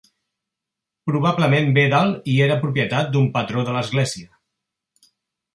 Probablement ve del i era propietat d'un patró de l'Església.